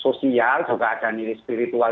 sosial juga ada nilai spiritual